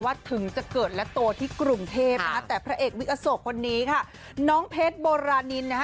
ถึงจะเกิดและโตที่กรุงเทพนะคะแต่พระเอกวิกอโศกคนนี้ค่ะน้องเพชรโบราณินนะคะ